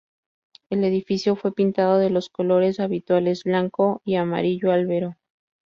El edificio fue pintado del los colores habituales: blanco y amarillo albero.